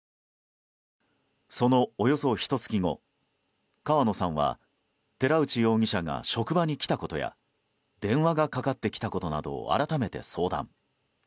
その、およそひと月後川野さんは寺内容疑者が職場に来たことや電話がかかってきたことなどを改めて相談。